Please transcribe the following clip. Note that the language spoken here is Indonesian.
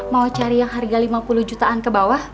mau cari yang harga lima puluh jutaan ke bawah